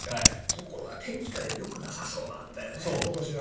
ところが天気がよくなさそうなんだよね今年は。